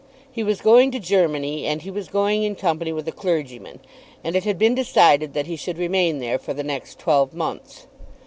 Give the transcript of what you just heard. He was going to Germany, and he was going in company with a clergyman, and it had been decided that he should remain there for the next twelve months.